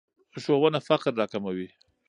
ښوونه فقر راکموي.